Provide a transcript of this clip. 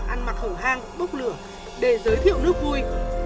ăn mặc khẩu hang bốc lửa để giới thiệu nước vui